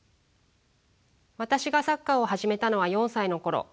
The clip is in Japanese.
私がサッカーを始めたのは４歳の頃。